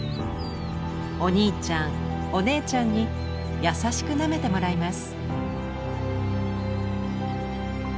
お兄ちゃんお姉ちゃんに優しくなめてもらいます。